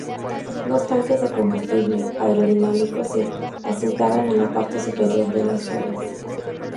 Dos tanques de combustible aerodinámicos se asentaban en la parte superior de las alas.